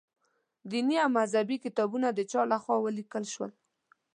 دیني او مذهبي کتابونه د چا له خوا ولیکل شول.